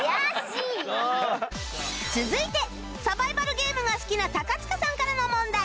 続いてサバイバルゲームが好きな高塚さんからの問題